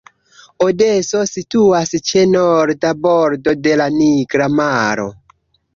Odeso situas ĉe norda bordo de la Nigra Maro.